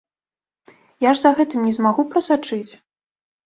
Я ж за гэтым не змагу прасачыць.